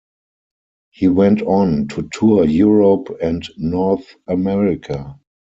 He went on to tour Europe and North America.